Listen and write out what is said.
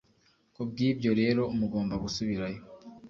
Ku bw ibyo rero mugomba gusubirayo